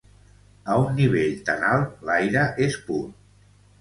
A un nivell tan alt l'aire és pur.